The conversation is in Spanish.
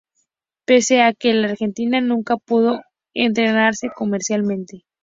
Pese a que en Argentina nunca pudo estrenarse comercialmente.